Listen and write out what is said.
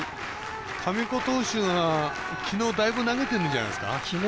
神子投手はだいぶ投げてるんじゃないですか。